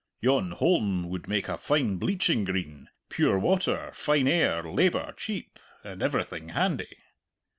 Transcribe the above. "Yon holm would make a fine bleaching green pure water, fine air, labour cheap, and everything handy.